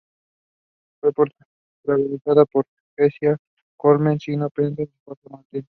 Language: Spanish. Fue protagonizada por Grecia Colmenares, Simón Pestana y Jorge Martínez.